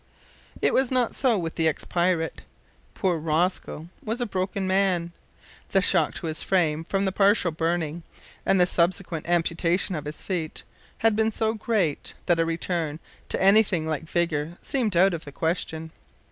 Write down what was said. It was not so with the ex pirate. Poor Rosco was a broken man. The shock to his frame from the partial burning and the subsequent amputation of his feet had been so great that a return to anything like vigour seemed out of the question.